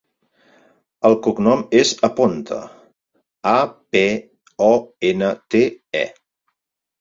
El cognom és Aponte: a, pe, o, ena, te, e.